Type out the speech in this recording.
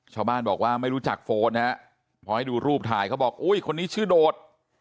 ชาวบ้านบอกว่าไม่รู้จักโฟนนะฮะพอให้ดูรูปถ่ายเขาบอกอุ้ยคนนี้ชื่อโดด